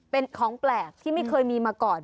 เป็นของแปลกที่ไม่เคยมีมาก่อน